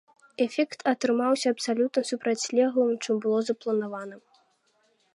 Эфект атрымаўся абсалютна супрацьлеглым, чым было запланавана.